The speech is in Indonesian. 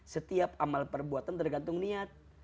setiap amal perbuatan tergantung niat